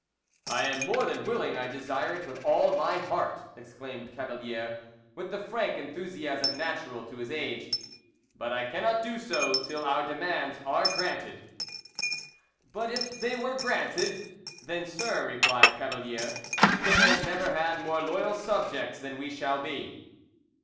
"I am more than willing, I desire it with all my heart," exclaimed Cavalier, with the frank enthusiasm natural to his age, "but I cannot do so till our just demands are granted." "But if they were granted—?" "Then, sir," replied Cavalier, "the king has never had more loyal subjects than we shall be."